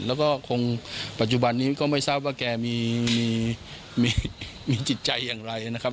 แล้วก็คงปัจจุบันนี้ก็ไม่ทราบว่าแกมีจิตใจอย่างไรนะครับ